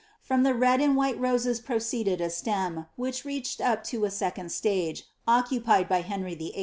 From the red a^ white roses proceeded a stem, which reached up to a second stage, oeeiipied by Henry VIII.